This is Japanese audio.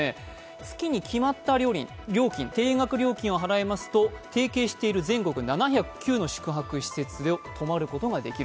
月に決まった料金を払いますと提携している全国７０９の宿泊施設で泊まることができる。